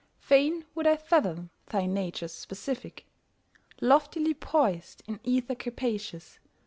Fain would I fathom thy nature's specific Loftily poised in ether capacious.